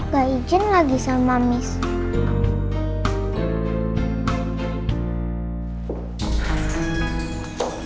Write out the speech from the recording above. gak izin lagi sama miss